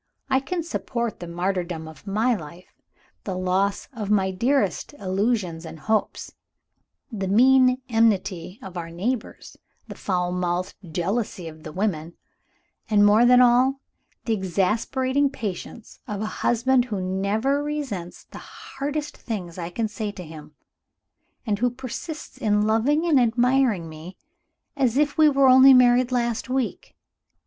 I can support the martyrdom of my life; the loss of my dearest illusions and hopes; the mean enmity of our neighbors; the foul mouthed jealousy of the women; and, more than all, the exasperating patience of a husband who never resents the hardest things I can say to him, and who persists in loving and admiring me as if we were only married last week.